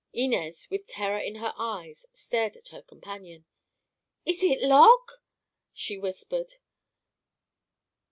Inez, with terror in her eyes, stared at her companion. "Is it lock?" she whispered.